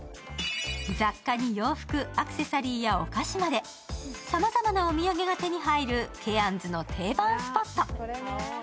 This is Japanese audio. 雑貨に洋服、アクセサリーやお菓子までさまざまなお土産が手に入るケアンズの定番スポット。